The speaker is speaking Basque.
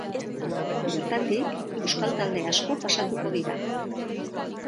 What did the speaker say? Bertatik euskal talde asko pasatuko dira.